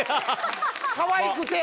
かわいくて。